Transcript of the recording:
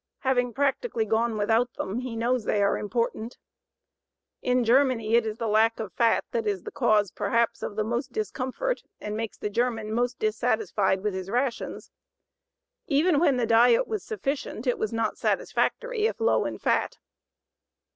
Having practically gone without them, he knows they are important. In Germany it is the lack of fat that is the cause, perhaps, of the most discomfort and makes the German most dissatisfied with his rations. Even when the diet was sufficient, it was not satisfactory if low in fat.